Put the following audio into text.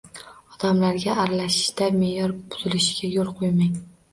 Odamlarga aralashishda me’yor buzilishiga yo‘l qo‘ymang.